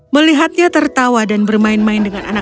melihatnya tertawa dan bermain main dengan anak